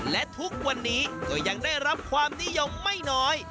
และทุกวันนี้ก็ยังได้รับความนิยมไม่น้อย